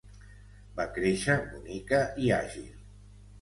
Va créixer bonica i àgil.